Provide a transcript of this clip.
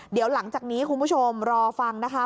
เดี๋ยวหลังจากนี้คุณผู้ชมรอฟังนะคะ